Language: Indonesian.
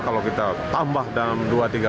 kalau kita tambah dalam dua tiga